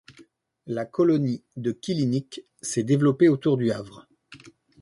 La colonie de Killiniq s'est développée autour du havre.